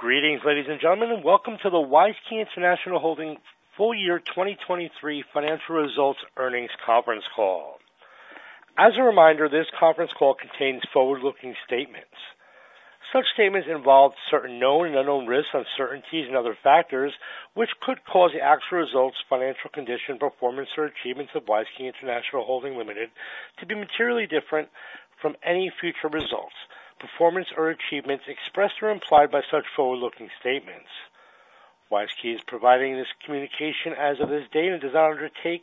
Greetings, ladies and gentlemen, and Welcome to the WISeKey International Holding Full Year 2023 Financial Results Earnings Conference Call. As a reminder, this conference call contains forward-looking statements. Such statements involve certain known and unknown risks, uncertainties and other factors which could cause the actual results, financial condition, performance, or achievements of WISeKey International Holding Limited to be materially different from any future results, performance, or achievements expressed or implied by such forward-looking statements. WISeKey is providing this communication as of this date, and does not undertake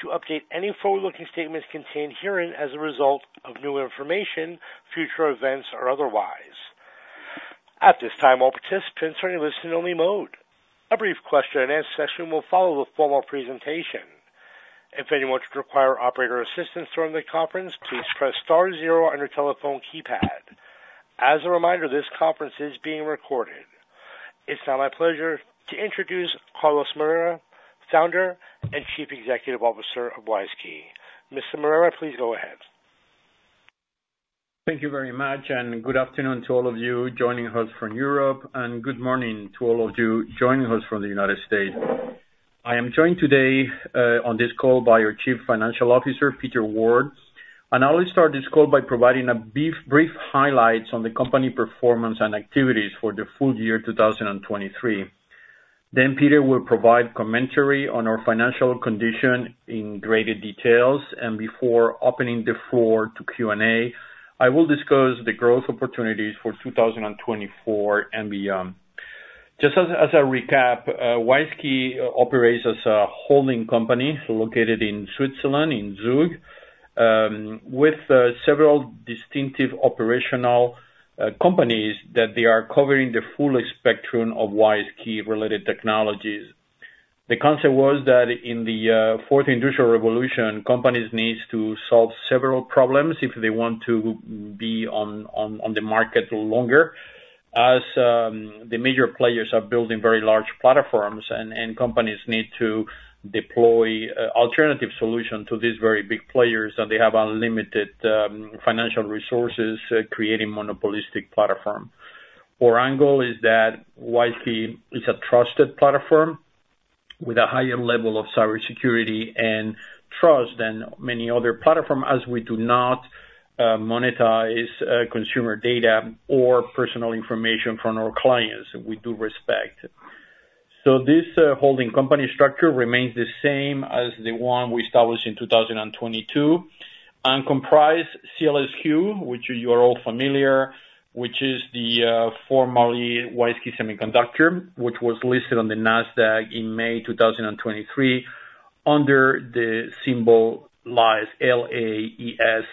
to update any forward-looking statements contained herein as a result of new information, future events, or otherwise. At this time, all participants are in listen-only mode. A brief question and answer session will follow the formal presentation. If anyone should require operator assistance during the conference, please press star zero on your telephone keypad. As a reminder, this conference is being recorded. It's now my pleasure to introduce Carlos Moreira, Founder and Chief Executive Officer of WISeKey. Mr. Moreira, please go ahead. Thank you very much, and good afternoon to all of you joining us from Europe, and good morning to all of you joining us from the United States. I am joined today, on this call by our Chief Financial Officer, Peter Ward. I will start this call by providing a brief, brief highlights on the company performance and activities for the full year 2023. Then Peter will provide commentary on our financial condition in greater details, and before opening the floor to Q&A, I will discuss the growth opportunities for 2024 and beyond. Just as, as a recap, WISeKey operates as a holding company located in Switzerland, in Zug, with, several distinctive operational, companies, that they are covering the full spectrum of WISeKey-related technologies. The concept was that in the fourth industrial revolution, companies needs to solve several problems if they want to be on the market longer. As the major players are building very large platforms and companies need to deploy alternative solution to these very big players, and they have unlimited financial resources, creating monopolistic platform. Our angle is that WISeKey is a trusted platform with a higher level of cybersecurity and trust than many other platform, as we do not monetize consumer data or personal information from our clients, we do respect. So this, holding company structure remains the same as the one we established in 2022, and comprise SEALSQ, which you are all familiar, which is the, formerly WISeKey Semiconductor, which was listed on the NASDAQ in May 2023, under the symbol LAES, L-A-E-S.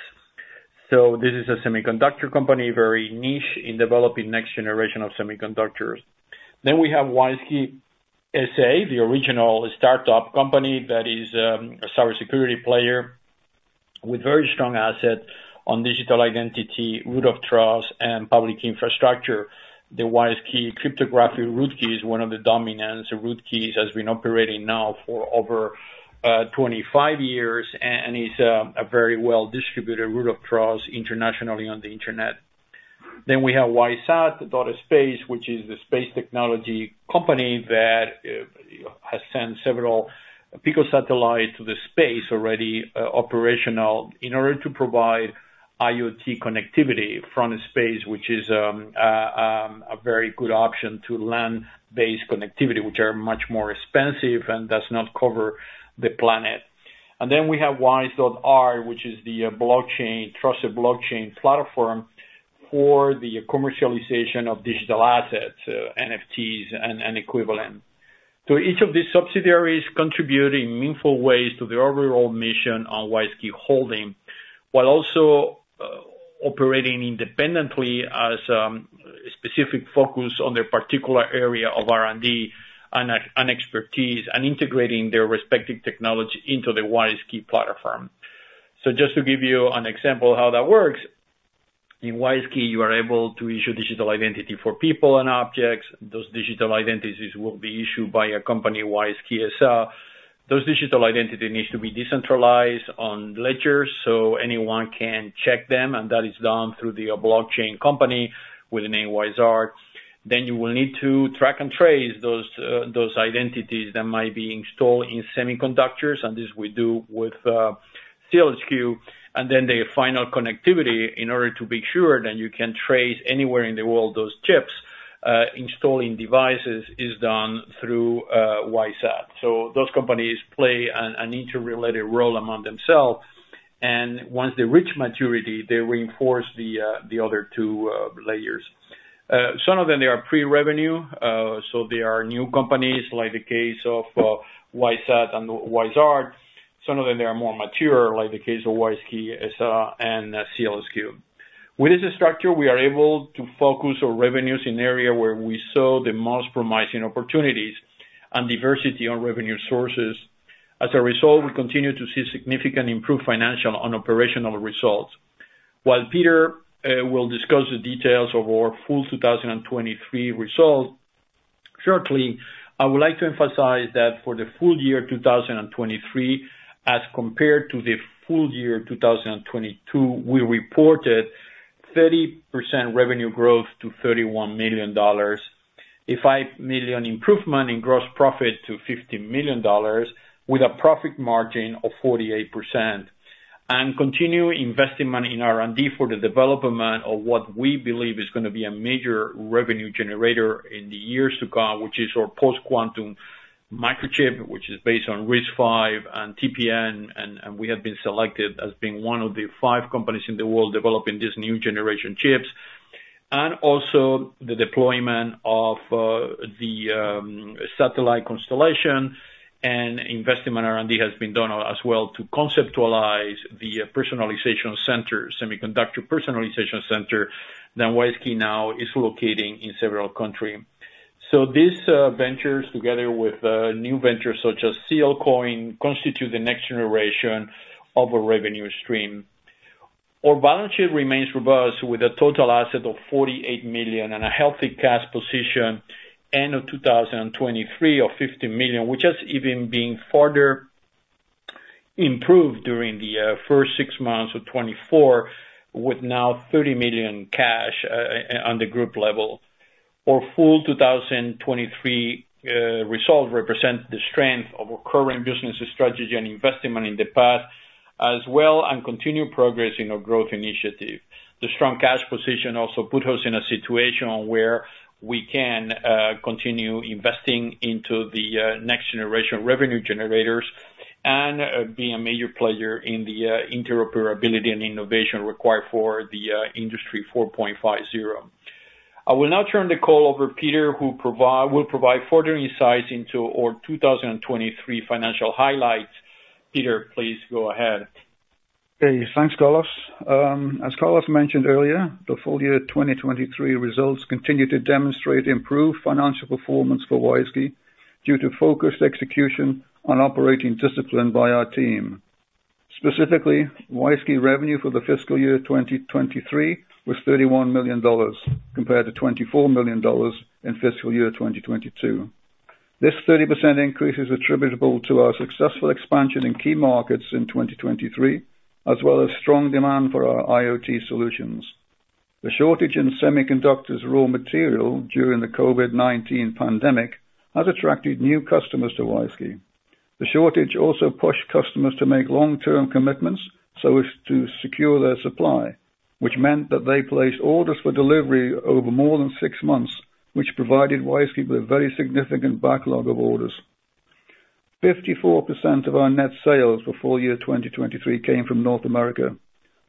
So this is a semiconductor company, very niche in developing next generation of semiconductors. Then we have WISeKey SA, the original startup company that is, a cybersecurity player with very strong asset on digital identity, root of trust, and public infrastructure. The WISeKey Cryptographic Root Key is one of the dominant root keys, has been operating now for over 25 years and is, a very well-distributed root of trust internationally on the internet. Then we have WISeSat.Space, which is the space technology company that has sent several picosatellites to the space already, operational in order to provide IoT connectivity from the space, which is a very good option to land-based connectivity, which are much more expensive and does not cover the planet. And then we have WISe.ART, which is the blockchain, trusted blockchain platform for the commercialization of digital assets, NFTs and equivalent. So each of these subsidiaries contribute in meaningful ways to the overall mission on WISeKey Holding, while also operating independently as specific focus on their particular area of R&D and expertise, and integrating their respective technology into the WISeKey platform. So just to give you an example of how that works, in WISeKey, you are able to issue digital identity for people and objects. Those digital identities will be issued by a company, WISeKey SA. Those digital identity needs to be decentralized on ledgers, so anyone can check them, and that is done through the blockchain company with the name WISe.ART. Then you will need to track and trace those, those identities that might be installed in semiconductors, and this we do with, SEALSQ. And then the final connectivity, in order to be sure that you can trace anywhere in the world those chips, installing devices is done through, WISeSat. So those companies play an interrelated role among themselves, and once they reach maturity, they reinforce the other two layers. Some of them, they are pre-revenue, so they are new companies, like the case of, WISeSat and WISe.ART. Some of them, they are more mature, like the case of WISeKey SA and SEALSQ. With this structure, we are able to focus our revenues in areas where we saw the most promising opportunities and diversification of revenue sources. As a result, we continue to see significantly improved financial and operational results. While Peter will discuss the details of our full 2023 results shortly, I would like to emphasize that for the full year 2023, as compared to the full year 2022, we reported 30% revenue growth to $31 million, a $5 million improvement in gross profit to $50 million, with a profit margin of 48%. Continue investing money in R&D for the development of what we believe is gonna be a major revenue generator in the years to come, which is our post-quantum microchip, which is based on RISC-V and TPM, and, and we have been selected as being one of the five companies in the world developing these new generation chips. Also the deployment of the satellite constellation and investment R&D has been done as well, to conceptualize the personalization center, semiconductor personalization center, that WISeKey now is locating in several country. So these ventures, together with new ventures such as SEALCOIN, constitute the next generation of a revenue stream. Our balance sheet remains robust, with a total asset of $48 million and a healthy cash position end of 2023 of $50 million, which has even been further improved during the first six months of 2024, with now $30 million cash on the group level. Our full 2023 result represent the strength of our current business strategy and investment in the past, as well, and continued progress in our growth initiative. The strong cash position also put us in a situation where we can continue investing into the next generation revenue generators and be a major player in the interoperability and innovation required for the Industry 4.5. I will now turn the call over to Peter, who will provide further insights into our 2023 financial highlights. Peter, please go ahead. Okay. Thanks, Carlos. As Carlos mentioned earlier, the full year 2023 results continue to demonstrate improved financial performance for WISeKey, due to focused execution on operating discipline by our team. Specifically, WISeKey revenue for the fiscal year 2023 was $31 million, compared to $24 million in fiscal year 2022. This 30% increase is attributable to our successful expansion in key markets in 2023, as well as strong demand for our IoT solutions. The shortage in semiconductors raw material during the COVID-19 pandemic has attracted new customers to WISeKey. The shortage also pushed customers to make long-term commitments so as to secure their supply, which meant that they placed orders for delivery over more than six months, which provided WISeKey with a very significant backlog of orders. 54% of our net sales for full year 2023 came from North America,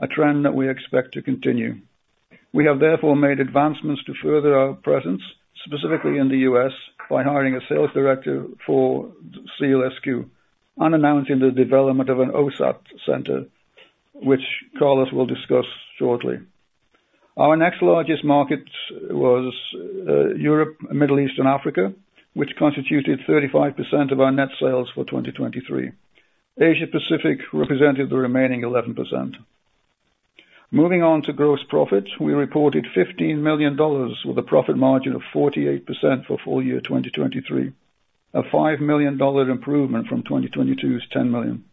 a trend that we expect to continue. We have therefore made advancements to further our presence, specifically in the U.S., by hiring a sales director for SEALSQ, and announcing the development of an OSAT center, which Carlos will discuss shortly. Our next largest market was Europe, Middle East, and Africa, which constituted 35% of our net sales for 2023. Asia Pacific represented the remaining 11%. Moving on to gross profits, we reported $15 million with a profit margin of 48% for full year 2023, a $5 million improvement from 2022's $10 million.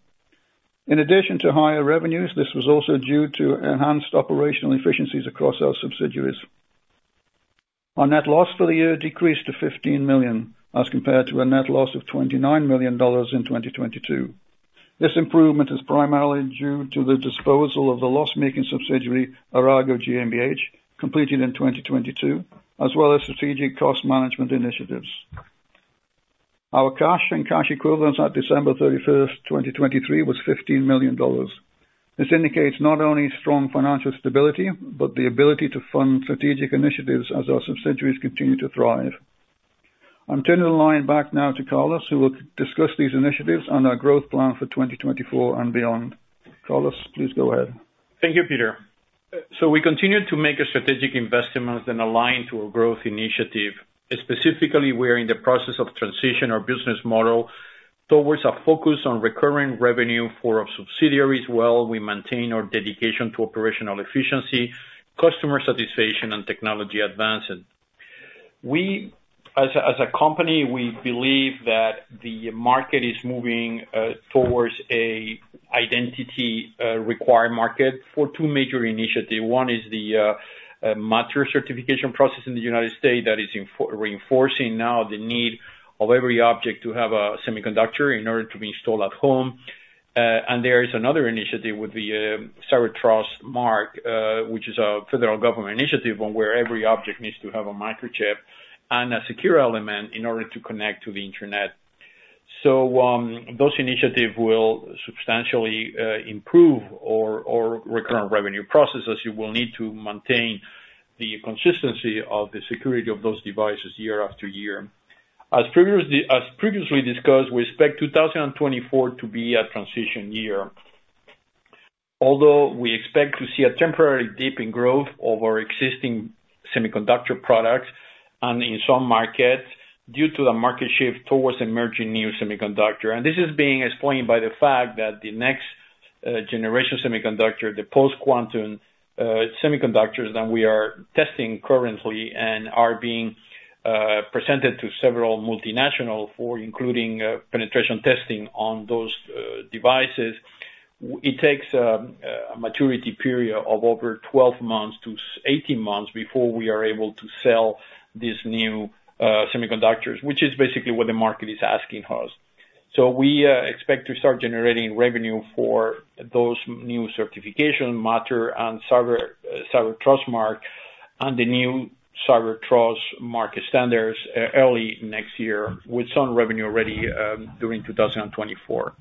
In addition to higher revenues, this was also due to enhanced operational efficiencies across our subsidiaries. Our net loss for the year decreased to $15 million, as compared to a net loss of $29 million in 2022. This improvement is primarily due to the disposal of the loss-making subsidiary, Arago GmbH, completed in 2022, as well as strategic cost management initiatives. Our cash and cash equivalents at December 31, 2023, was $15 million. This indicates not only strong financial stability, but the ability to fund strategic initiatives as our subsidiaries continue to thrive. I'm turning the line back now to Carlos, who will discuss these initiatives and our growth plan for 2024 and beyond. Carlos, please go ahead. Thank you, Peter. So we continue to make strategic investments and align to our growth initiative. Specifically, we're in the process of transitioning our business model towards a focus on recurring revenue for our subsidiaries, while we maintain our dedication to operational efficiency, customer satisfaction, and technology advancement. We, as a company, we believe that the market is moving towards an identity-required market for two major initiatives. One is the Matter certification process in the United States, that is now reinforcing the need of every object to have a semiconductor in order to be installed at home. And there is another initiative with the U.S. Cyber Trust Mark, which is a federal government initiative on where every object needs to have a microchip and a secure element in order to connect to the internet. So, those initiatives will substantially improve our recurrent revenue processes, as you will need to maintain the consistency of the security of those devices year after year. As previously discussed, we expect 2024 to be a transition year. Although we expect to see a temporary dip in growth of our existing semiconductor products and in some markets, due to a market shift towards emerging new semiconductor. And this is being explained by the fact that the next generation semiconductor, the post-quantum semiconductors that we are testing currently and are being presented to several multinationals, including penetration testing on those devices. It takes a maturity period of over 12 months to 18 months before we are able to sell these new semiconductors, which is basically what the market is asking us. So we expect to start generating revenue for those new certification Matter and U.S. Cyber Trust Mark and the new U.S. Cyber Trust Mark standards, early next year, with some revenue already, during 2024.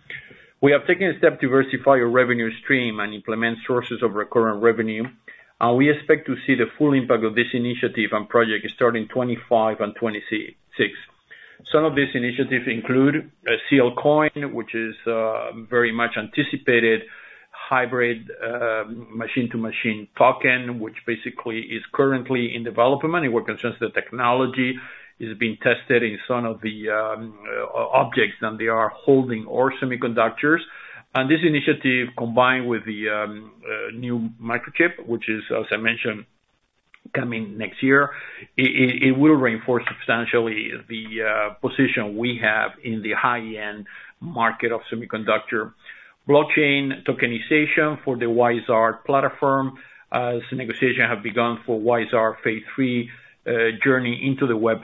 We have taken a step to diversify our revenue stream and implement sources of recurrent revenue, and we expect to see the full impact of this initiative and project starting 2025 and 2026. Some of these initiatives include a SEALCOIN, which is, very much anticipated, hybrid, machine-to-machine token, which basically is currently in development, and we're concerned the technology is being tested in some of the, objects that they are holding our semiconductors. This initiative, combined with the new microchip, which is, as I mentioned, coming next year, it will reinforce substantially the position we have in the high-end market of semiconductor. Blockchain tokenization for the WISe.ART platform, as negotiations have begun for WISe.ART phase three, journey into the Web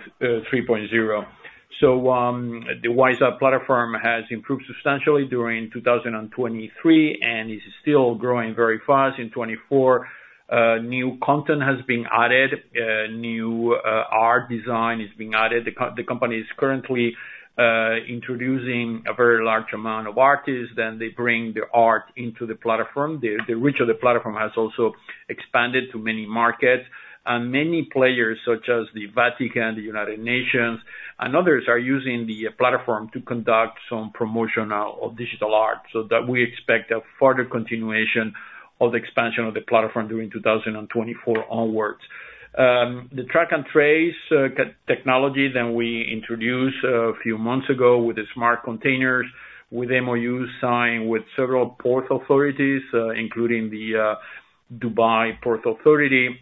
3.0. The WISe.ART platform has improved substantially during 2023, and is still growing very fast in 2024. New content has been added, new art design is being added. The company is currently introducing a very large amount of artists, then they bring their art into the platform. The reach of the platform has also expanded to many markets, and many players, such as the Vatican, the United Nations, and others, are using the platform to conduct some promotional of digital art. So that we expect a further continuation of the expansion of the platform during 2024 onwards. The track and trace technology that we introduced a few months ago with the smart containers, with MOU signed with several port authorities, including the Dubai Port Authority,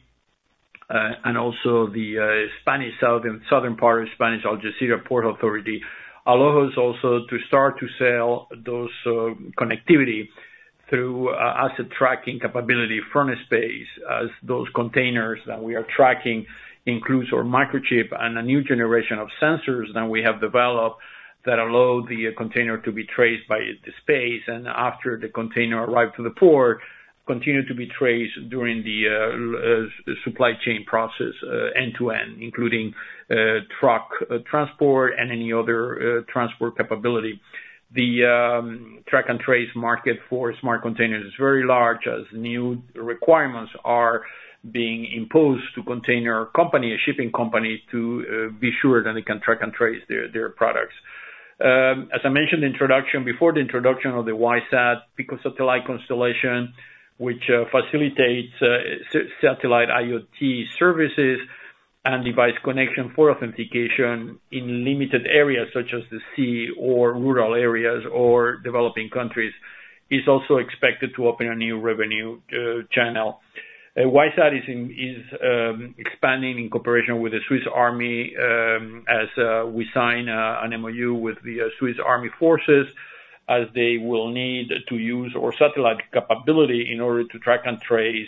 and also the Spanish southern part of Spanish Algeciras Port Authority, allows us also to start to sell those connectivity through asset tracking capability from space, as those containers that we are tracking includes our microchip and a new generation of sensors that we have developed, that allow the container to be traced by the space. And after the container arrive to the port, continue to be traced during the supply chain process end-to-end, including truck transport and any other transport capability. The track and trace market for smart containers is very large, as new requirements are being imposed to container companies, shipping companies, to be sure that they can track and trace their products. As I mentioned, the introduction, before the introduction of the WISeSat, because of the light constellation, which facilitates satellite IoT services and device connection for authentication in limited areas such as the sea or rural areas or developing countries, is also expected to open a new revenue channel. WISeSat is expanding in cooperation with the Swiss Armed Forces, as we sign an MOU with the Swiss Armed Forces, as they will need to use our satellite capability in order to track and trace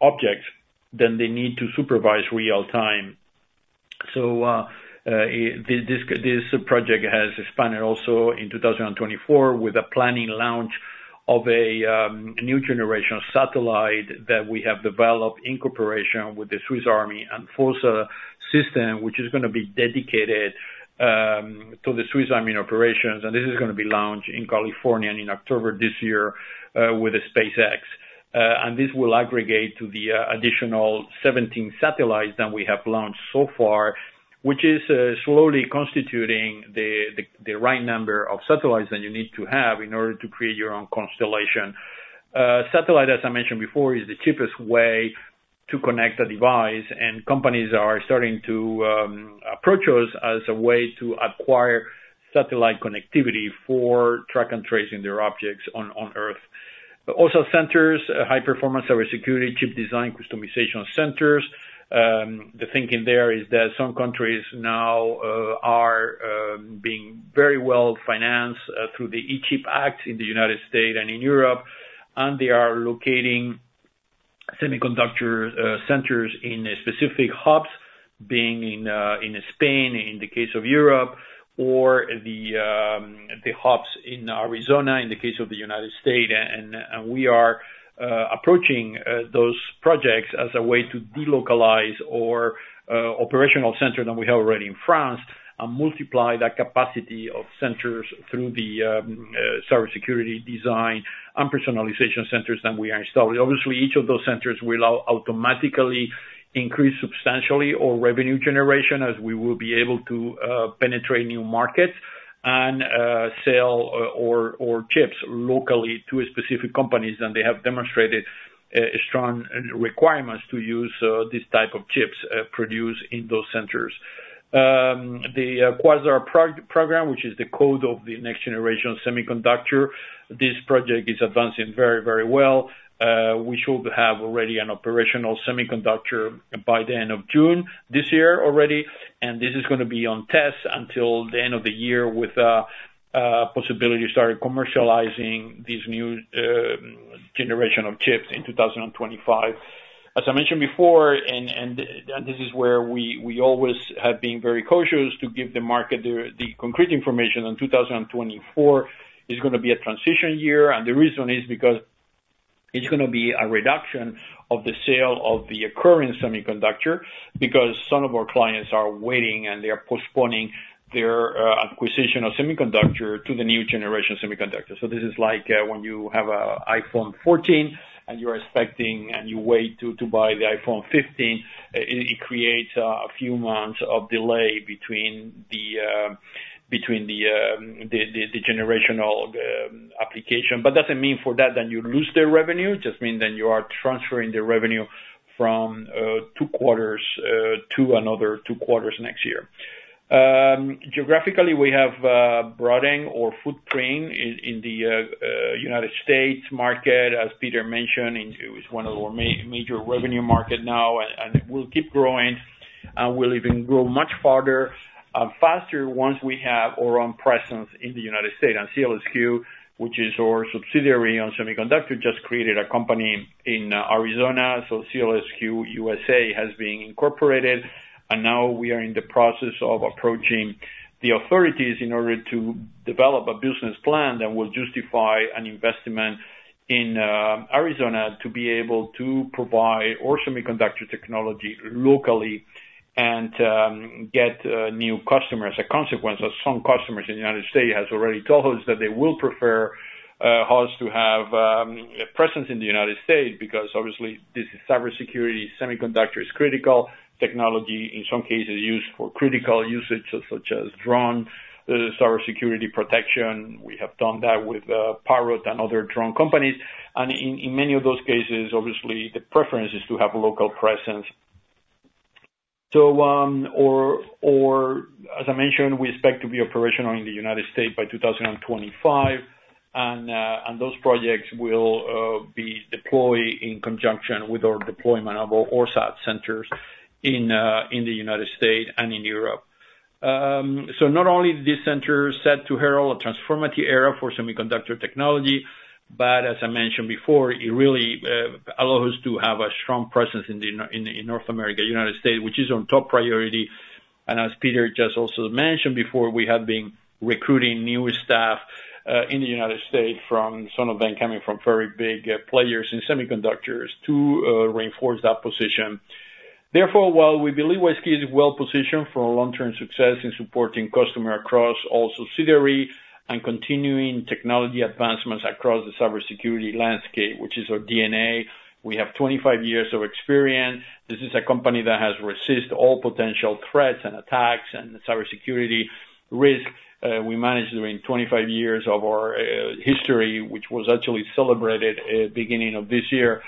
objects that they need to supervise real time. This project has expanded also in 2024 with a planned launch of a new generation of satellite that we have developed in cooperation with the Swiss Army and Fossa Systems, which is gonna be dedicated to the Swiss Army operations. This is gonna be launched in California in October this year with SpaceX. This will aggregate to the additional 17 satellites that we have launched so far, which is slowly constituting the right number of satellites that you need to have in order to create your own constellation. Satellite, as I mentioned before, is the cheapest way to connect a device, and companies are starting to approach us as a way to acquire satellite connectivity for tracking and tracing their objects on Earth. Also centers, high-performance cybersecurity, chip design, customization centers. The thinking there is that some countries now are being very well financed through the CHIPS Act in the United States and in Europe, and they are locating semiconductor centers in specific hubs, being in Spain, in the case of Europe, or the hubs in Arizona, in the case of the United States. And we are approaching those projects as a way to delocalize our operational center that we have already in France, and multiply that capacity of centers through the cybersecurity design and personalization centers that we are installing. Obviously, each of those centers will automatically increase substantially our revenue generation, as we will be able to penetrate new markets and sell our chips locally to specific companies, and they have demonstrated strong requirements to use these type of chips produced in those centers. The Quasar program, which is the code of the next generation semiconductor, this project is advancing very, very well. We should have already an operational semiconductor by the end of June this year already, and this is gonna be on test until the end of the year, with possibility starting commercializing these new generation of chips in 2025. As I mentioned before, this is where we always have been very cautious to give the market the concrete information, on 2024 is gonna be a transition year, and the reason is because it's gonna be a reduction of the sale of the current semiconductor, because some of our clients are waiting, and they are postponing their acquisition of semiconductor to the new generation semiconductor. So this is like when you have a iPhone 14, and you're expecting, and you wait to buy the iPhone 15, it creates a few months of delay between the generational application. But doesn't mean for that then you lose the revenue, it just mean that you are transferring the revenue from two quarters to another two quarters next year. Geographically, we have broadening our footprint in the United States market, as Peter mentioned, and it was one of our major revenue market now, and it will keep growing, and will even grow much farther faster once we have our own presence in the United States. And SEALSQ, which is our subsidiary on semiconductor, just created a company in Arizona, so SEALSQ USA has been incorporated, and now we are in the process of approaching the authorities in order to develop a business plan that will justify an investment in Arizona, to be able to provide our semiconductor technology locally and get new customers. A consequence of some customers in the United States has already told us that they will prefer us to have a presence in the United States, because obviously this is cybersecurity, semiconductor is critical technology, in some cases used for critical usage, such as drones, cybersecurity protection. We have done that with Parrot and other drone companies. In many of those cases, obviously, the preference is to have local presence. So, as I mentioned, we expect to be operational in the United States by 2025, and those projects will be deployed in conjunction with our deployment of our OSAT centers in the United States and in Europe. So not only these centers set to herald a transformative era for semiconductor technology, but as I mentioned before, it really allows us to have a strong presence in the North America, United States, which is on top priority. And as Peter just also mentioned before, we have been recruiting new staff in the United States from some of them coming from very big players in semiconductors to reinforce that position. Therefore, while we believe WISeKey is well positioned for long-term success in supporting customer across all subsidiary and continuing technology advancements across the cybersecurity landscape, which is our DNA, we have 25 years of experience. This is a company that has resist all potential threats and attacks and cybersecurity risks. We managed, during 25 years of our history, which was actually celebrated beginning of this year,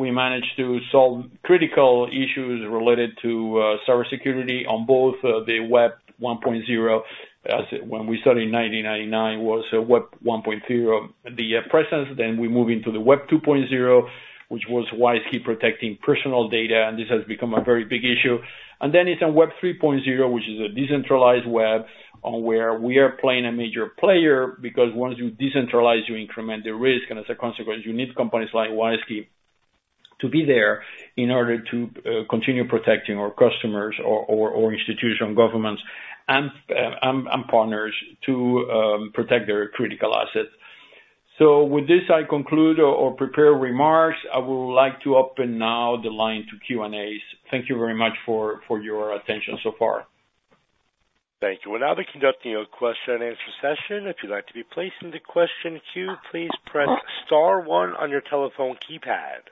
we managed to solve critical issues related to cybersecurity on both the Web 1.0, as when we started in 1999, was Web 1.0, the presence. Then we move into the Web 2.0, which was WISeKey protecting personal data, and this has become a very big issue. And then it's on Web 3.0, which is a decentralized web, on where we are playing a major player, because once you decentralize, you increment the risk, and as a consequence, you need companies like WISeKey to be there in order to continue protecting our customers or institutional governments and partners to protect their critical assets. With this, I conclude our prepared remarks. I would like to open now the line to Q&As. Thank you very much for your attention so far. Thank you. We'll now be conducting a question and answer session. If you'd like to be placed into question queue, please press star one on your telephone keypad.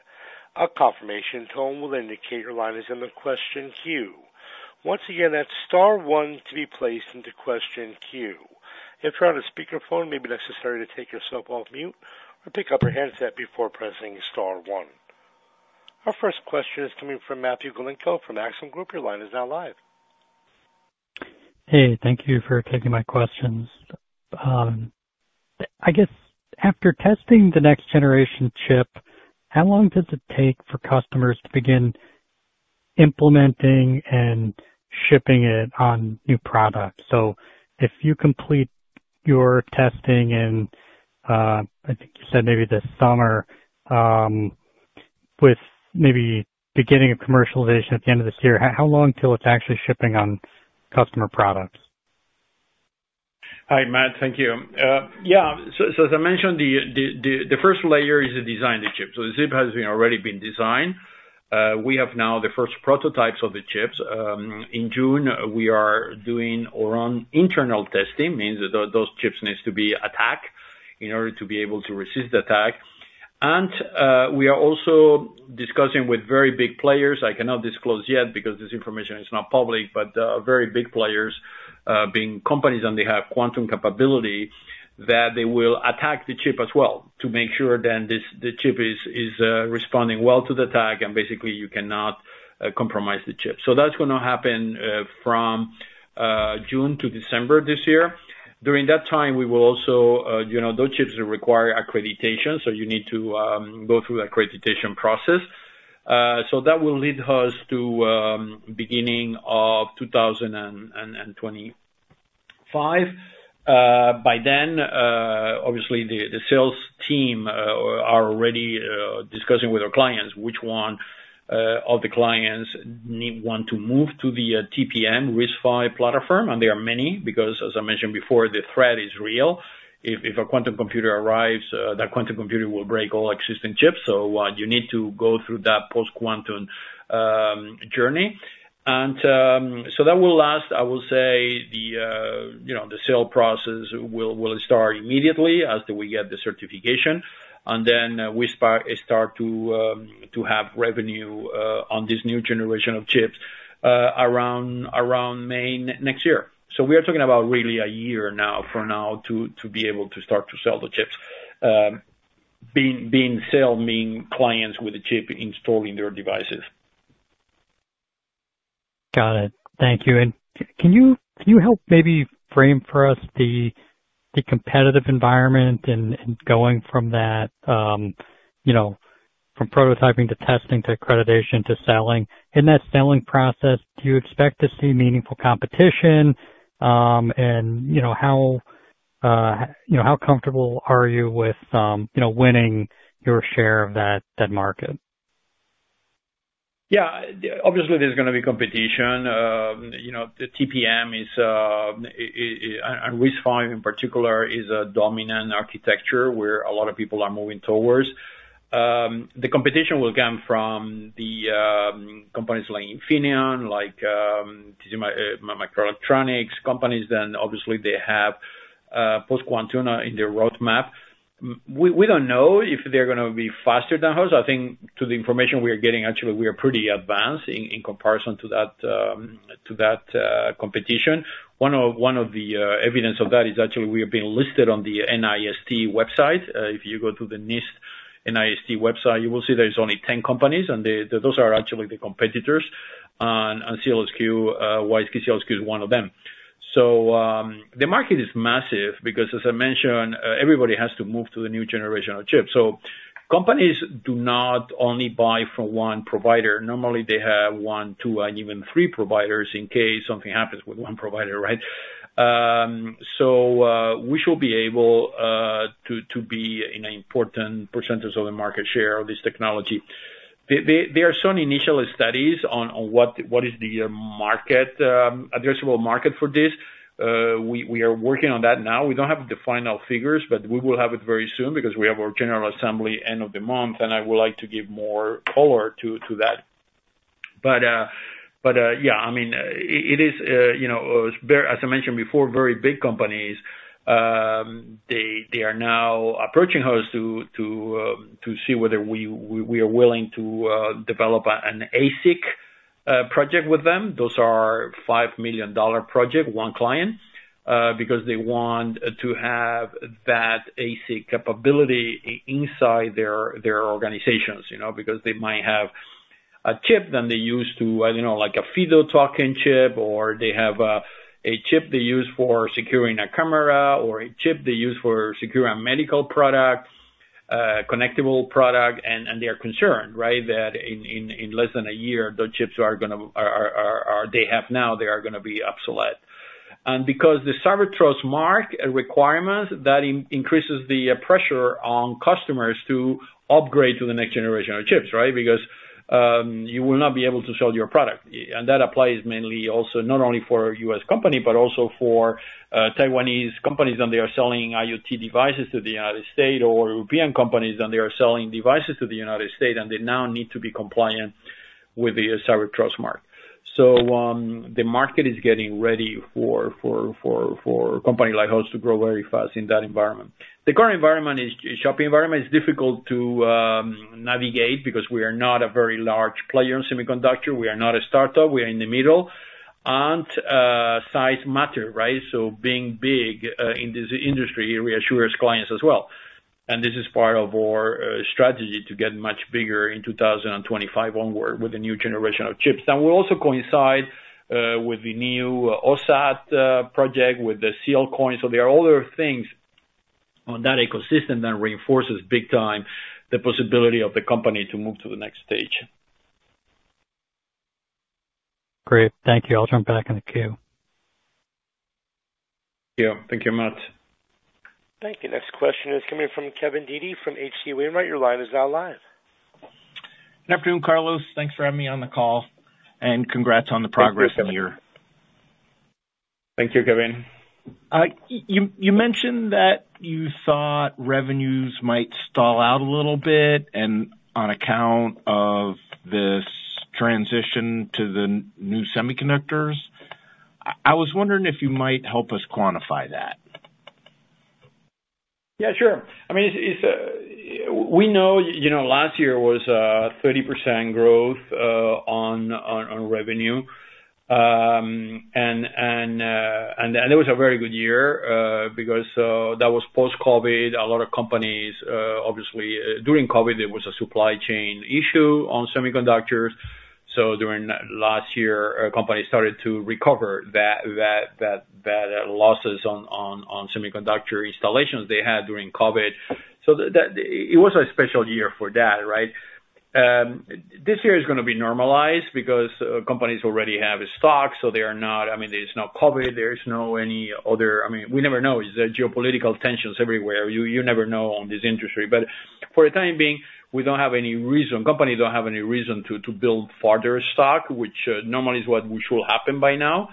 A confirmation tone will indicate your line is in the question queue. Once again, that's star one to be placed into question queue. If you're on a speakerphone, it may be necessary to take yourself off mute or pick up your handset before pressing star one. Our first question is coming from Matthew Galinko from Maxim Group. Your line is now live. Hey, thank you for taking my questions. I guess after testing the next generation chip, how long does it take for customers to begin implementing and shipping it on new products? So if you complete your testing in, I think you said maybe this summer, with maybe beginning of commercialization at the end of this year, how long till it's actually shipping on customer products? Hi, Matt. Thank you. Yeah, so as I mentioned, the first layer is to design the chip. So the chip has already been designed. We have now the first prototypes of the chips. In June, we are doing our own internal testing, means that those chips needs to be attacked in order to be able to resist attack. And we are also discussing with very big players, I cannot disclose yet because this information is not public, but very big players being companies and they have quantum capability, that they will attack the chip as well to make sure the chip is responding well to the attack, and basically you cannot compromise the chip. So that's gonna happen from June to December this year. During that time, we will also, you know, those chips require accreditation, so you need to go through accreditation process. So that will lead us to beginning of 2025. By then, obviously the sales team are already discussing with our clients which one of the clients need want to move to the TPM RISC-V platform. There are many, because as I mentioned before, the threat is real. If a quantum computer arrives, that quantum computer will break all existing chips, so you need to go through that post-quantum journey. So that will last, I will say, you know, the sale process will start immediately after we get the certification. Then we start to have revenue on this new generation of chips around May next year. So we are talking about really a year now, for now, to be able to start to sell the chips. Being sold means clients with a chip installing their devices. Got it. Thank you. Can you help maybe frame for us the competitive environment and going from that, you know, from prototyping to testing, to accreditation to selling? In that selling process, do you expect to see meaningful competition? And you know, how comfortable are you with you know, winning your share of that market? Yeah, obviously there's gonna be competition. You know, the TPM is and RISC-V in particular is a dominant architecture where a lot of people are moving towards. The competition will come from the companies like Infineon, like STMicroelectronics, companies, then obviously they have post-quantum in their roadmap. We, we don't know if they're gonna be faster than us. I think to the information we are getting, actually, we are pretty advanced in comparison to that competition. One of the evidence of that is actually we have been listed on the NIST website. If you go to the NIST website, you will see there's only 10 companies, and they those are actually the competitors. SEALSQ, WISeKey SEALSQ is one of them. So, the market is massive because as I mentioned, everybody has to move to the new generation of chips. Companies do not only buy from one provider, normally they have one, two, and even three providers in case something happens with one provider, right? We should be able to be in an important percentage of the market share of this technology. There are some initial studies on what is the market addressable market for this. We are working on that now. We don't have the final figures, but we will have it very soon because we have our general assembly end of the month, and I would like to give more color to that. Yeah, I mean, it is, you know, as I mentioned before, very big companies. They are now approaching us to see whether we are willing to develop an ASIC project with them. Those are $5 million dollar project, one client, because they want to have that ASIC capability inside their organizations, you know, because they might have a chip that they use to, you know, like a FIDO Token chip, or they have a chip they use for securing a camera, or a chip they use for securing a medical product, connectable product. They are concerned, right? That in less than a year, the chips they have now are gonna be obsolete. Because the U.S. Cyber Trust Mark requirements that increases the pressure on customers to upgrade to the next generation of chips, right? Because you will not be able to sell your product. And that applies mainly also, not only for U.S. company, but also for Taiwanese companies, and they are selling IoT devices to the United States or European companies, and they are selling devices to the United States, and they now need to be compliant with the U.S. Cyber Trust Mark. So the market is getting ready for company like us to grow very fast in that environment. The current shopping environment is difficult to navigate because we are not a very large player in semiconductor. We are not a startup, we are in the middle. And size matter, right? So being big in this industry reassures clients as well. And this is part of our strategy to get much bigger in 2025 onward with the new generation of chips. And we also coincide with the new OSAT project, with the SEALCOIN. So there are other things on that ecosystem that reinforces big time the possibility of the company to move to the next stage. Great, thank you. I'll jump back in the queue. Yeah. Thank you, Matt. Thank you. Next question is coming from Kevin Dede from H.C. Wainwright. Your line is now live. Good afternoon, Carlos. Thanks for having me on the call, and congrats on the progress in the year. Thank you, Kevin. You mentioned that you thought revenues might stall out a little bit and on account of this transition to the new semiconductors. I was wondering if you might help us quantify that. Yeah, sure. I mean, it's, we know, you know, last year was 30% growth on revenue. And that was a very good year, because that was post-COVID. A lot of companies, obviously, during COVID, there was a supply chain issue on semiconductors. So during that last year, companies started to recover that losses on semiconductor installations they had during COVID. So that-- it was a special year for that, right? This year is gonna be normalized because companies already have a stock, so they are not-- I mean, there's no COVID, there is no any other... I mean, we never know, there's geopolitical tensions everywhere. You never know on this industry. But for the time being, we don't have any reason, companies don't have any reason to build further stock, which normally is what will happen by now.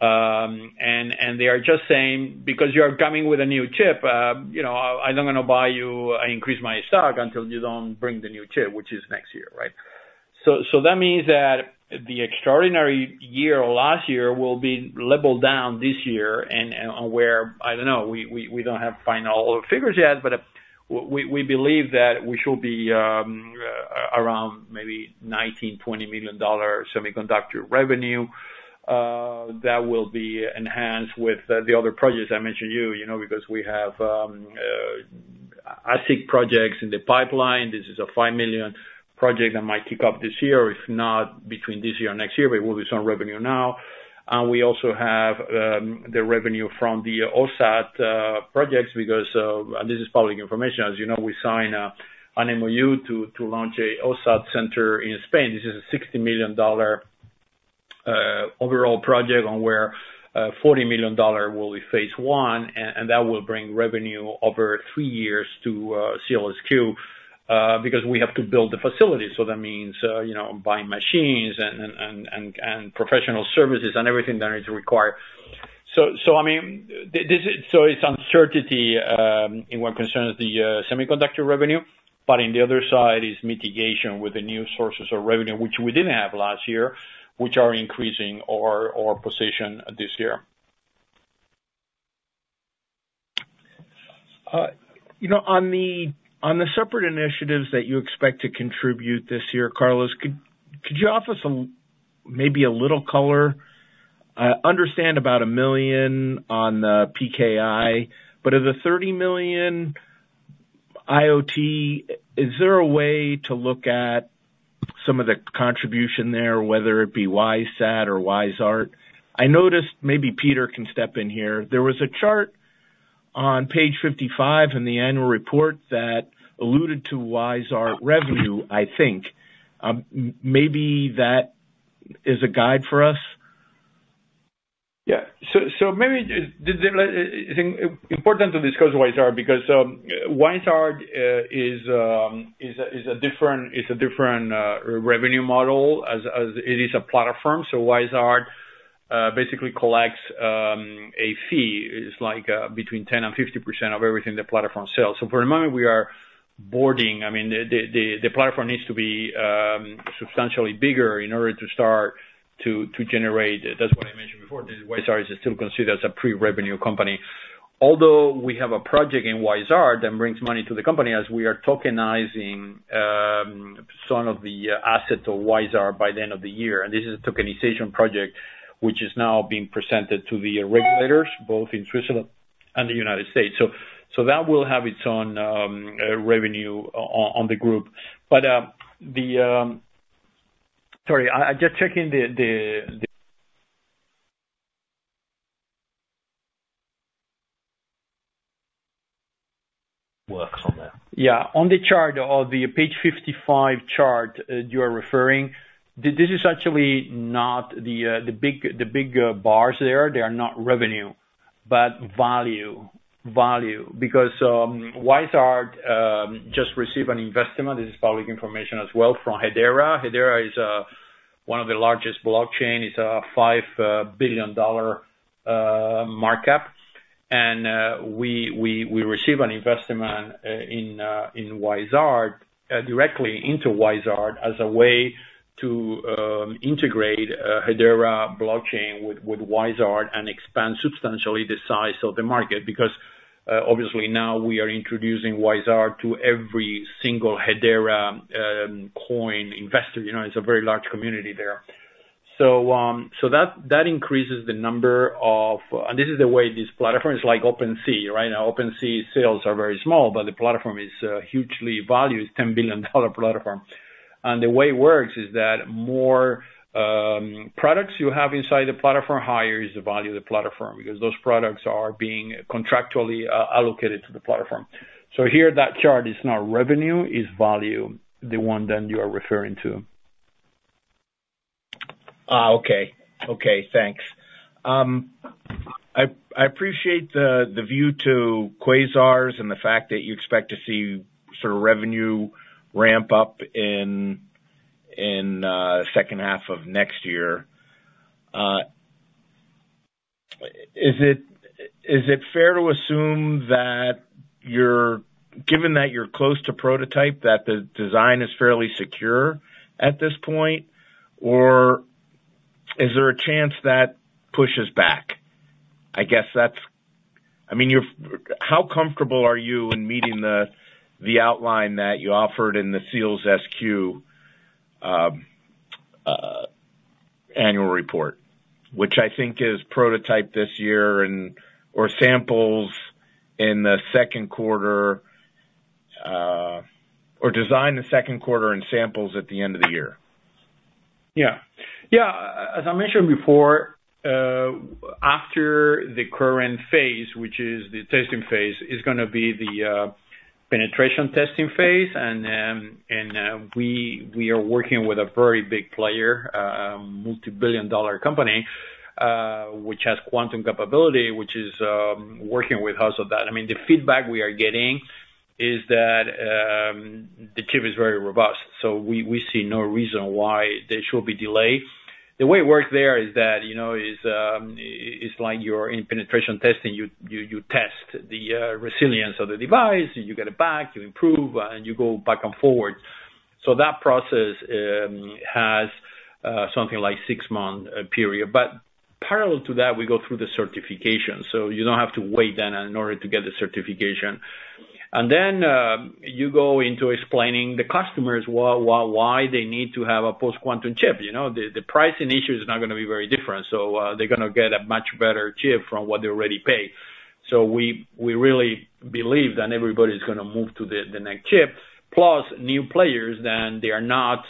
And they are just saying, "Because you are coming with a new chip, you know, I'm not gonna buy you-- I increase my stock until you don't bring the new chip," which is next year, right? So that means that the extraordinary year, last year, will be leveled down this year, and I don't know, we don't have final figures yet, but we believe that we should be around maybe $19-$20 million semiconductor revenue, that will be enhanced with the other projects I mentioned to you, you know, because we have asset projects in the pipeline. This is a $5 million project that might kick off this year, if not, between this year or next year, but it will be some revenue now. And we also have the revenue from the OSAT projects, because and this is public information. As you know, we signed an MOU to launch a OSAT center in Spain. This is a $60 million overall project on where $40 million will be phase one, and that will bring revenue over three years to SEALSQ, because we have to build the facility. So that means, you know, buying machines and professional services and everything that is required. So, I mean, this is so it's uncertainty in what concerns the semiconductor revenue, but in the other side is mitigation with the new sources of revenue, which we didn't have last year, which are increasing our position this year. You know, on the separate initiatives that you expect to contribute this year, Carlos, could you offer some, maybe a little color? I understand about $1 million on the PKI, but of the $30 million IoT, is there a way to look at some of the contribution there, whether it be WiseSat or WISe.ART? I noticed, maybe Peter can step in here, there was a chart on page 55 in the annual report that alluded to WISe.ART revenue, I think. Maybe that is a guide for us. Yeah. So maybe just I think important to discuss WISe.ART, because WISe.ART is a different, it's a different revenue model, as it is a platform. So WISe.ART basically collects a fee like between 10% and 50% of everything the platform sells. So for the moment, we are boarding, I mean, the platform needs to be substantially bigger in order to start to generate... That's what I mentioned before, the WISe.ART is still considered as a pre-revenue company. Although we have a project in WISe.ART that brings money to the company, as we are tokenizing some of the assets of WISe.ART by the end of the year. And this is a tokenization project, which is now being presented to the regulators, both in Switzerland and the United States. So that will have its own revenue on the group. But the... Sorry, I just check in the Works on that. Yeah. On the chart, on the page 55 chart, you are referring, this is actually not the big bars there, they are not revenue, but value, value. Because, WISe.ART just received an investment, this is public information as well, from Hedera. Hedera is one of the largest blockchain. It's a $5 billion markup. And we receive an investment in WISe.ART directly into WISe.ART, as a way to integrate Hedera blockchain with WISe.ART and expand substantially the size of the market. Because, obviously, now we are introducing WISe.ART to every single Hedera coin investor. You know, it's a very large community there. So, that increases the number of... And this is the way this platform is like OpenSea, right? Now, OpenSea sales are very small, but the platform is, hugely valued, it's $10 billion dollar platform. And the way it works is that more, products you have inside the platform, higher is the value of the platform, because those products are being contractually, allocated to the platform. So here, that chart is not revenue, is value, the one that you are referring to. Ah, okay. Okay, thanks. I appreciate the view to QUASARS and the fact that you expect to see sort of revenue ramp up in second half of next year. Is it fair to assume that you're - given that you're close to prototype, that the design is fairly secure at this point, or... Is there a chance that pushes back? I guess that's - I mean, you're, how comfortable are you in meeting the outline that you offered in the SEALSQ annual report, which I think is prototype this year and or samples in the second quarter, or design the second quarter and samples at the end of the year? Yeah. Yeah, as I mentioned before, after the current phase, which is the testing phase, is gonna be the penetration testing phase. And, we are working with a very big player, multi-billion dollar company, which has quantum capability, which is working with us on that. I mean, the feedback we are getting is that, the chip is very robust, so we see no reason why there should be delay. The way it works there is that, you know, it's like you're in penetration testing, you test the resilience of the device, you get it back, you improve, and you go back and forward. So that process has something like six-month period. But parallel to that, we go through the certification, so you don't have to wait then in order to get the certification. And then, you go into explaining the customers why, why, why they need to have a post-quantum chip. You know, the pricing issue is not gonna be very different, so, they're gonna get a much better chip from what they already pay. So we really believe that everybody's gonna move to the next chip. Plus new players, then they are not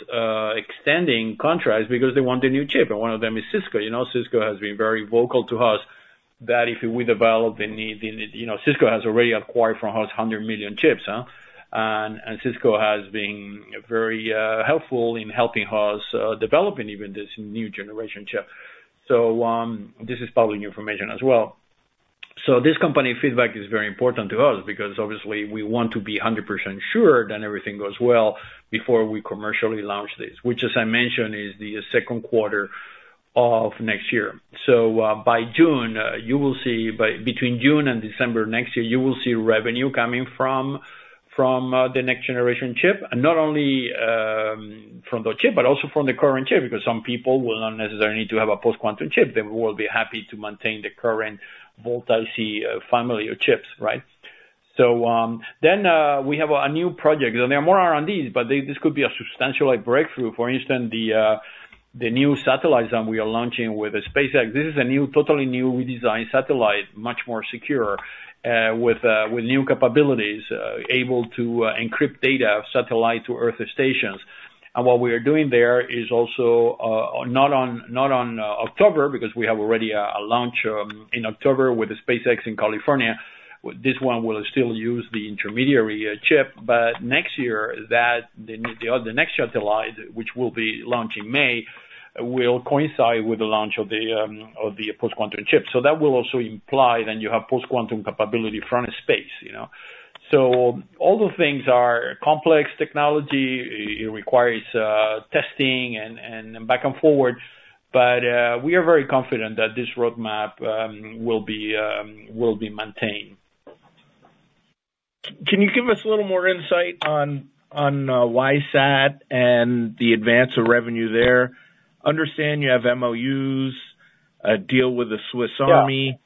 extending contracts because they want the new chip, and one of them is Cisco. You know, Cisco has been very vocal to us that if we develop the new, the new. You know, Cisco has already acquired from us 100 million chips, huh? And Cisco has been very helpful in helping us developing even this new generation chip. This is public information as well. This company feedback is very important to us because obviously we want to be 100% sure that everything goes well before we commercially launch this, which, as I mentioned, is the second quarter of next year. By June, you will see, between June and December next year, you will see revenue coming from the next generation chip. And not only from the chip, but also from the current chip, because some people will not necessarily need to have a post-quantum chip. They will be happy to maintain the current VaultIC family of chips, right? Then, we have a new project, and they are more R&Ds, but this could be a substantial, like, breakthrough. For instance, the new satellites that we are launching with SpaceX. This is a new, totally new redesigned satellite, much more secure, with new capabilities, able to encrypt data, satellite to Earth stations. And what we are doing there is also not on October, because we have already a launch in October with the SpaceX in California. This one will still use the intermediary chip, but next year, the next satellite, which will be launched in May, will coincide with the launch of the post-quantum chip. So that will also imply that you have post-quantum capability from space, you know. So all the things are complex technology. It requires testing and back and forward, but we are very confident that this roadmap will be maintained. Can you give us a little more insight on, on, WISeSat and the advance of revenue there? Understand you have MOUs, a deal with the Swiss Army- Yeah.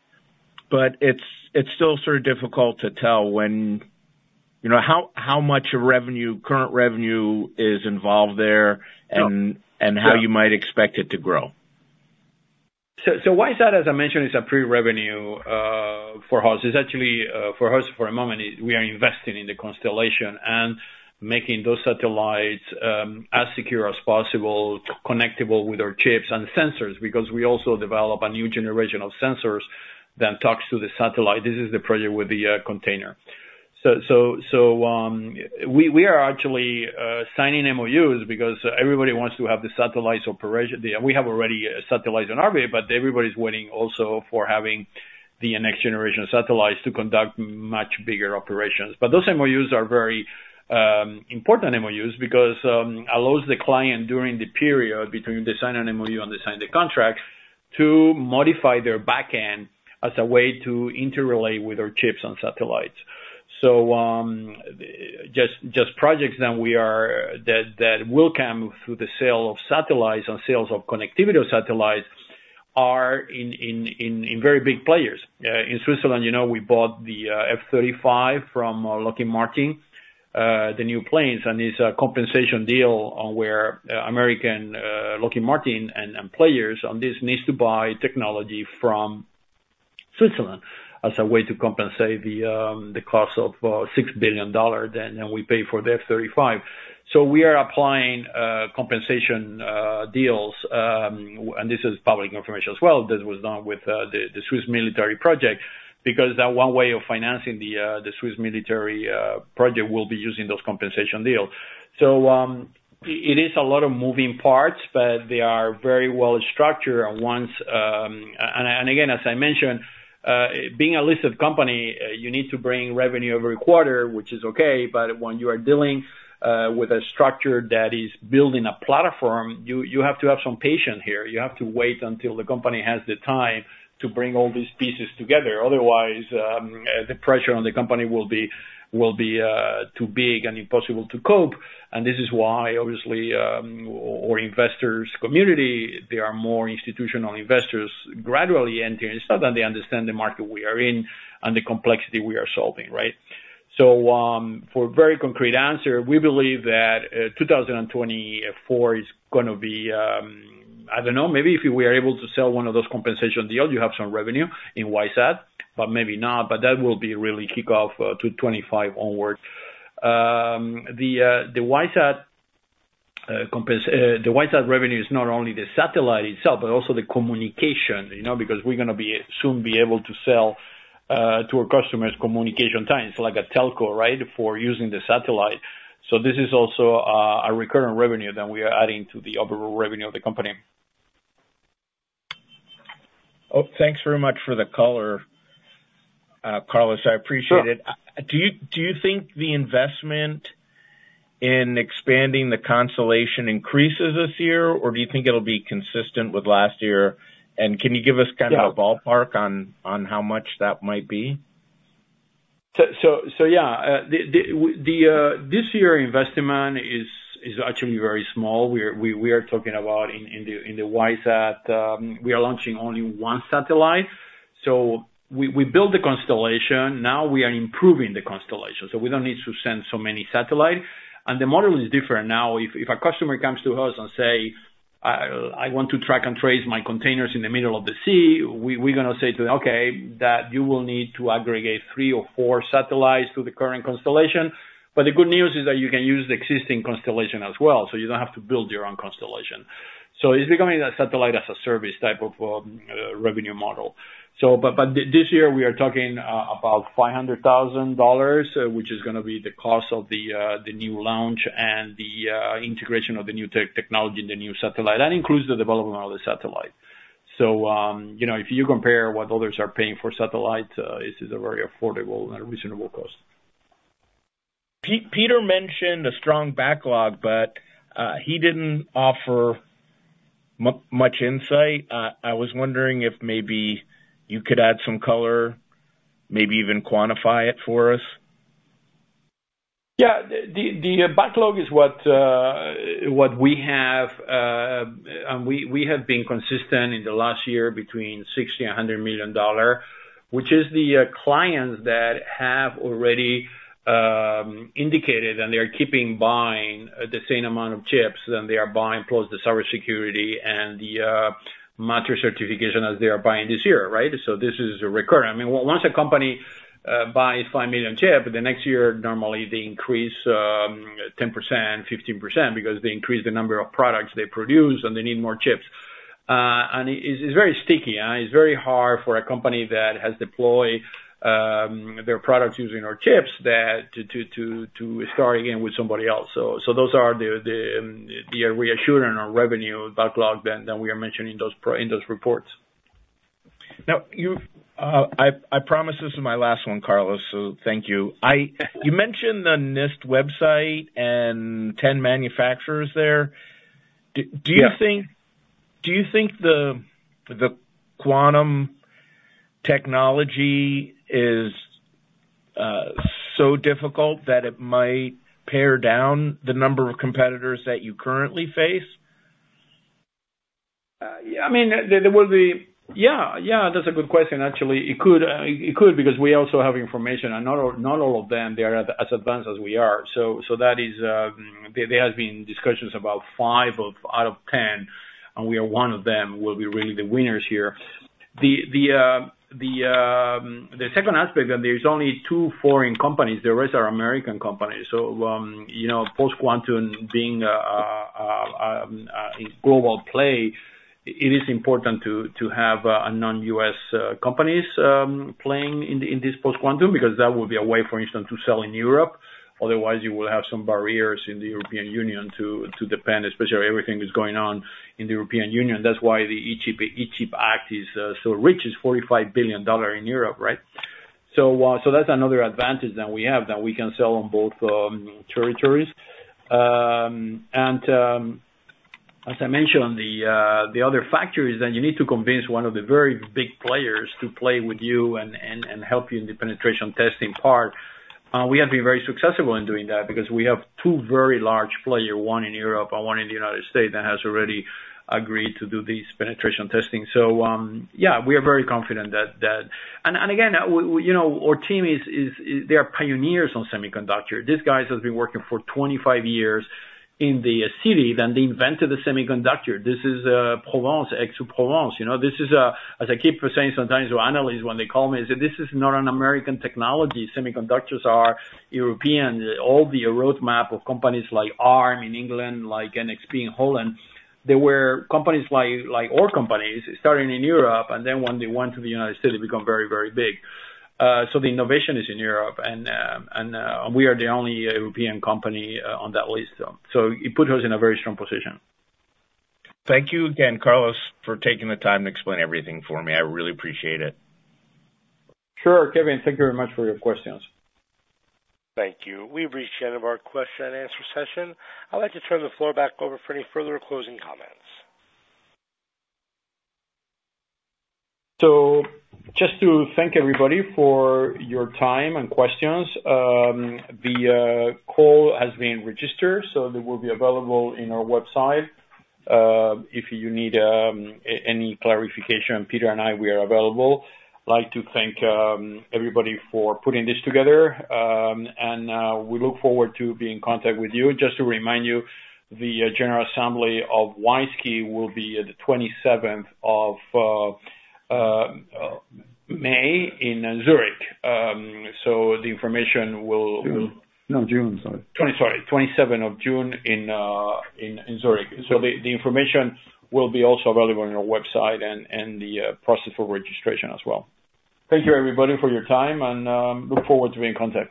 but it's still sort of difficult to tell when, you know, how much of the current revenue is involved there. Yeah. and how you might expect it to grow. WISeSat, as I mentioned, is a pre-revenue for us. It's actually, for us, for a moment, we are investing in the constellation and making those satellites as secure as possible, connectable with our chips and sensors, because we also develop a new generation of sensors that talks to the satellite. This is the project with the container. We are actually signing MOUs because everybody wants to have the satellite operation. We have already a satellite on orbit, but everybody's waiting also for having the next generation of satellites to conduct much bigger operations. But those MOUs are very important MOUs because allows the client during the period between they sign an MOU and they sign the contract, to modify their back end as a way to interrelate with our chips and satellites. So, just projects that we are that will come through the sale of satellites and sales of connectivity of satellites are in very big players. In Switzerland, you know, we bought the F-35 from Lockheed Martin, the new planes, and it's a compensation deal on where American Lockheed Martin and players on this needs to buy technology from Switzerland as a way to compensate the cost of $6 billion, then, and we pay for the F-35. So we are applying compensation deals, and this is public information as well. This was done with the Swiss military project, because that one way of financing the Swiss military project will be using those compensation deals. So, it is a lot of moving parts, but they are very well structured. And once, and again, as I mentioned, being a listed company, you need to bring revenue every quarter, which is okay, but when you are dealing with a structure that is building a platform, you have to have some patience here. You have to wait until the company has the time to bring all these pieces together. Otherwise, the pressure on the company will be too big and impossible to cope. And this is why, obviously, our investors community, there are more institutional investors gradually entering, so that they understand the market we are in and the complexity we are solving, right? So, for very concrete answer, we believe that 2024 is gonna be, I don't know, maybe if we are able to sell one of those compensation deals, you have some revenue in WISeSat, but maybe not, but that will be really kick off to 2025 onwards. The WISeSat revenue is not only the satellite itself, but also the communication, you know, because we're gonna be soon be able to sell to our customers communication time. So like a telco, right? For using the satellite. So this is also a recurring revenue that we are adding to the overall revenue of the company. Oh, thanks very much for the color, Carlos, I appreciate it. Sure. Do you think the investment in expanding the constellation increases this year, or do you think it'll be consistent with last year? And can you give us kind of- Yeah... a ballpark on how much that might be? So yeah. The this year investment is actually very small. We're talking about in the WISeSat, we are launching only one satellite. So we built the constellation, now we are improving the constellation, so we don't need to send so many satellite. And the model is different now. If a customer comes to us and say, "I want to track and trace my containers in the middle of the sea," we're gonna say to them, "Okay, that you will need to aggregate three or four satellites to the current constellation. But the good news is that you can use the existing constellation as well, so you don't have to build your own constellation." So it's becoming a satellite as a service type of revenue model. So this year we are talking about $500,000, which is gonna be the cost of the new launch and the integration of the new technology and the new satellite. That includes the development of the satellite. So, you know, if you compare what others are paying for satellites, this is a very affordable and reasonable cost. Peter mentioned a strong backlog, but, he didn't offer much insight. I was wondering if maybe you could add some color, maybe even quantify it for us. Yeah. The backlog is what we have. And we have been consistent in the last year between $60 million and $100 million, which is the clients that have already indicated, and they're keeping buying the same amount of chips, and they are buying plus the cybersecurity and the Matter certification as they are buying this year, right? So this is recurring. I mean, once a company buys 5 million chip, the next year, normally, they increase 10%, 15%, because they increase the number of products they produce, and they need more chips. And it, it's very sticky, and it's very hard for a company that has deployed their products using our chips, to start again with somebody else. So those are the ones regarding our revenue backlog that we are mentioning those projects in those reports. Now, you've... I promise this is my last one, Carlos, so thank you. You mentioned the NIST website and 10 manufacturers there. D- Yeah. Do you think, do you think the, the quantum technology is so difficult that it might pare down the number of competitors that you currently face? Yeah, I mean, there will be... Yeah, yeah, that's a good question. Actually, it could, it could, because we also have information, and not all of them, they are as advanced as we are. So that is, there has been discussions about 5 out of 10, and we are one of them, we'll be really the winners here. The second aspect, that there's only 2 foreign companies, the rest are American companies. So, you know, post-quantum being a global play, it is important to have a non-U.S. companies playing in this post-quantum, because that would be a way, for instance, to sell in Europe. Otherwise, you will have some barriers in the European Union to depend, especially everything that's going on in the European Union. That's why the CHIPS Act is so rich, is $45 billion in Europe, right? So, that's another advantage that we have, that we can sell on both territories. And, as I mentioned, the other factor is that you need to convince one of the very big players to play with you and help you in the penetration testing part. We have been very successful in doing that because we have two very large player, one in Europe and one in the United States, that has already agreed to do this penetration testing. So, yeah, we are very confident that...And again, you know, our team is they are pioneers on semiconductor. These guys has been working for 25 years in the city, then they invented the semiconductor. This is Provence, Aix-en-Provence. You know, this is as I keep saying sometimes to analysts when they call me, I say, "This is not an American technology. Semiconductors are European." All the roadmap of companies like Arm in England, like NXP in Holland, they were companies like our companies, starting in Europe, and then when they went to the United States, they become very, very big. So the innovation is in Europe, and we are the only European company on that list. So it put us in a very strong position. Thank you again, Carlos, for taking the time to explain everything for me. I really appreciate it. Sure, Kevin. Thank you very much for your questions. Thank you. We've reached the end of our question and answer session. I'd like to turn the floor back over for any further closing comments. Just to thank everybody for your time and questions. The call has been registered, so it will be available in our website. If you need any clarification, Peter and I, we are available. I'd like to thank everybody for putting this together, and we look forward to be in contact with you. Just to remind you, the general assembly of WISeKey will be on the May 27th, in Zurich. So the information will- June. No, June, sorry. Sorry, June 27th in Zurich. So the information will be also available on our website and the process for registration as well. Thank you everybody for your time, and look forward to be in contact.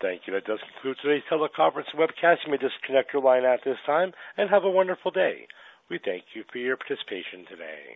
Thank you. That does conclude today's teleconference webcast. You may disconnect your line at this time, and have a wonderful day. We thank you for your participation today.